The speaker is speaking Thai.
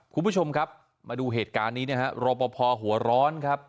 คุณผู้ชมครับมาดูเหตุการณ์นี้นะฮะรอปภหัวร้อนครับ